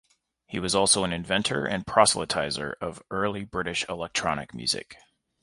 He was also an inventor and proselytiser of early British electronic music.